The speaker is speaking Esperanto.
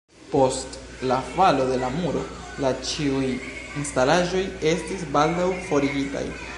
Post "„la falo de la muro“" la ĉiuj instalaĵoj estis baldaŭ forigitaj.